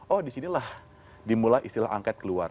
oh disinilah dimulai istilah angket keluar